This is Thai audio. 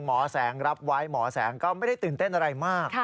หมอแสงรับไว้หมอแสงก็ไม่ได้ตื่นเต้นอะไรมาก